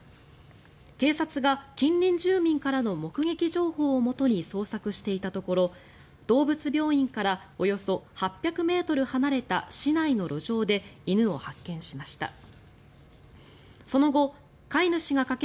警察が近隣住民からの目撃情報をもとに捜索していたところ動物病院からおよそ８００ｍ離れた市内の路上で犬を発見しました。